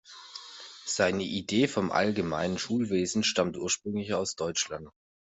Seine Idee vom Allgemeinen Schulwesen stammte ursprünglich aus Deutschland.